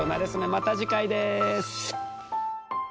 また次回です。